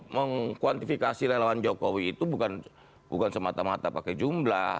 mengkuantifikasi relawan jokowi itu bukan semata mata pakai jumlah